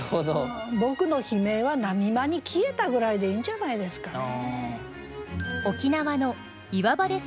「僕の悲鳴は波間に消えた」ぐらいでいいんじゃないですかね。